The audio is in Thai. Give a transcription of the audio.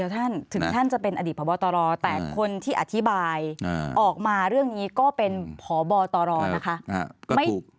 ท่านถึงท่านจะเป็นอดีตพบตรแต่คนที่อธิบายออกมาเรื่องนี้ก็เป็นพบตรนะคะ